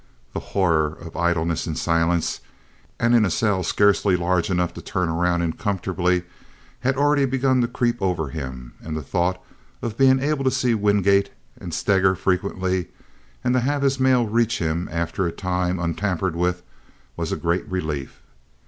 The horror of idleness in silence and in a cell scarcely large enough to turn around in comfortably had already begun to creep over him, and the thought of being able to see Wingate and Steger frequently, and to have his mail reach him, after a time, untampered with, was a great relief.